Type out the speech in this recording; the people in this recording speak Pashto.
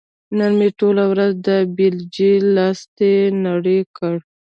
نن مې ټوله ورځ د بېلچې لاستي نري کړ.